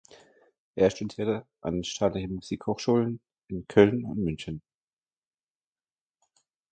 Er studierte an den staatlichen Musikhochschulen in Köln und München.